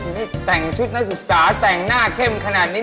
นี่แต่งชุดหน้าสุดสาวแต่งหน้าเข้มขนาดนี้